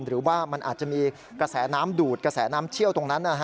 หรือว่ามันอาจจะมีกระแสน้ำดูดกระแสน้ำเชี่ยวตรงนั้น